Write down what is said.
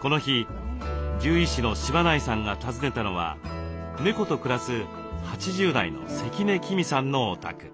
この日獣医師の柴内さんが訪ねたのは猫と暮らす８０代の関根喜美さんのお宅。